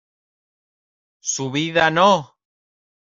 ¡ su vida, no!